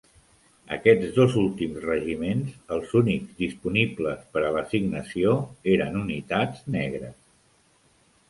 Aquests dos últims regiments, els únics disponibles per a l'assignació, eren unitats negres.